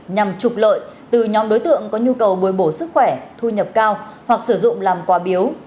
nhằm trục lợi từ nhóm đối tượng có nhu cầu bồi bổ sức khỏe thu nhập cao hoặc sử dụng làm quà biếu